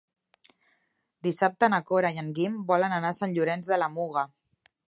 Dissabte na Cora i en Guim volen anar a Sant Llorenç de la Muga.